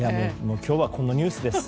今日はこのニュースです。